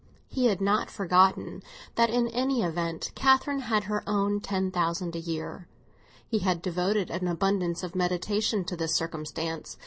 He had not forgotten that in any event Catherine had her own ten thousand a year; he had devoted an abundance of meditation to this circumstance.